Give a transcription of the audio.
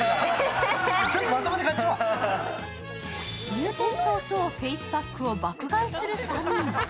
入店早々、フェイスパックを爆買いする３人。